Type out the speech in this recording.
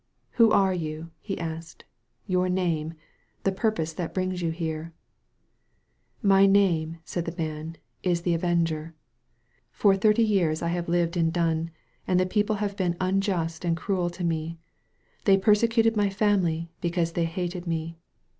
"Who are you?'* he asked. "Your name, the purpose that brings you here?" "My name/' said the man, "is the Avenger. For thirty years I have lived in Dun, and the people have been unjust and cruel to me. They persecuted my family, because they hated me.